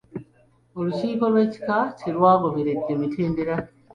Olukiiko lw'ekika terwagoberedde mitendera.